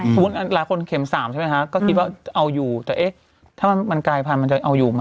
คุณละทีคนเข็ม๓ก็คิดว่าเอาอยู่แต่เอ๊ะถ้ามันกรายผันมันจะเอาอยู่ไหม